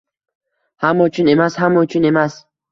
Hamma uchun emas, hamma uchun emas